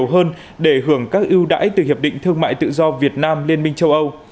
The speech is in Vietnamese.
đầu tư vào tỉnh đồng nai nhiều hơn để hưởng các ưu đãi từ hiệp định thương mại tự do việt nam liên minh châu âu